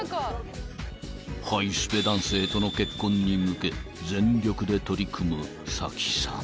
［ハイスペ男性との結婚に向け全力で取り組むさきさん］